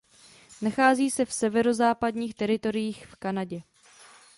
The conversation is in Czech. Nachází se v Severozápadních teritoriích v Kanadě.